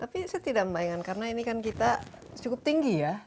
tapi saya tidak membayangkan karena ini kan kita cukup tinggi ya